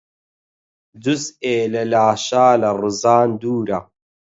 جوزئێ لە لاشە لە ڕزان دوورە